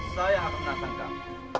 saya akan menangkap kamu